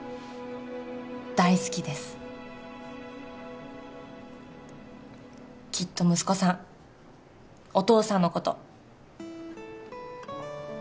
大好きですきっと息子さんお父さんのこと